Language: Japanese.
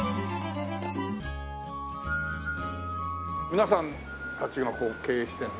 皆さんたちがここ経営してるの？